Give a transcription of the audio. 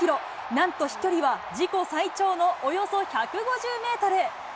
なんと飛距離は自己最長のおよそ１５０メートル。